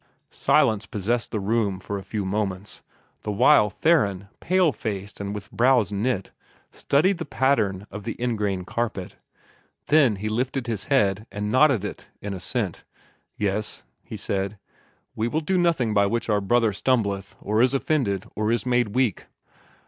Silence possessed the room for a few moments, the while Theron, pale faced and with brows knit, studied the pattern of the ingrain carpet. Then he lifted his head, and nodded it in assent. "Yes," he said; "we will do nothing by which our 'brother stumbleth, or is offended, or is made weak.'"